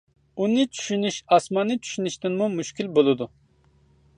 ئۇنى چۈشىنىش ئاسماننى چۈشىنىشتىنمۇ مۈشكۈل بولىدۇ.